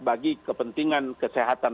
bagi kepentingan kesehatan